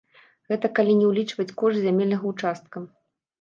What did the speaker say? Гэта калі не ўлічваць кошт зямельнага ўчастка.